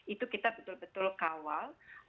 itu kita betul betul kawal